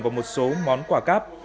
và một số món quà cáp